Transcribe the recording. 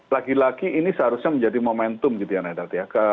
lagi lagi ini seharusnya menjadi momentum gitu ya renard ya